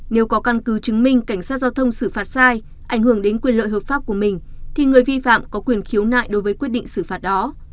nếu có căn cứ chứng minh cảnh sát giao thông xử phạt sai ảnh hưởng đến quyền lợi hợp pháp của mình thì người vi phạm có quyền khiếu nại đối với quyết định xử phạt đó